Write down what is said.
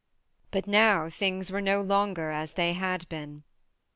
But now things were no longer as they had been.